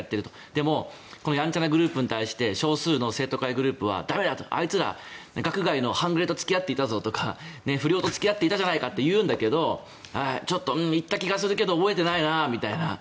でも、このやんちゃなグループに対して少数の生徒会グループは駄目だ、あいつら学外の半グレと付き合っていたぞとか不良と付き合っていたじゃないかというんだけど行った気がするけど覚えてないなみたいな。